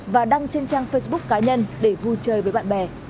và đăng trên trang facebook cá nhân để vui chơi với bạn bè